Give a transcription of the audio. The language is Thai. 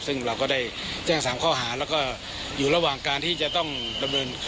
ซึ่งเราก็ได้แจ้ง๓ข้อหาแล้วก็อยู่ระหว่างการที่จะต้องดำเนิน